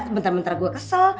bentar bentar gue kesel